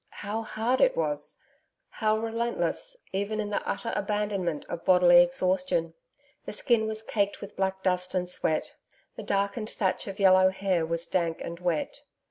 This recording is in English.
How hard it was. How relentless, even in the utter abandonment of bodily exhaustion! The skin was caked with black dust and sweat. The darkened thatch of yellow hair was dank and wet.